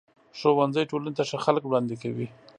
ښوونځی ټولنې ته ښه خلک وړاندې کوي.